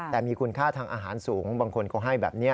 แต่มีคุณค่าทางอาหารสูงบางคนเขาให้แบบนี้